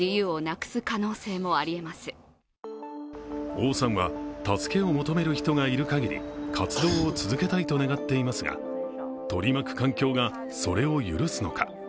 王さんは助けを求める人がいる限り、活動を続けたいと願っていますが取り巻く環境がそれを許すのか。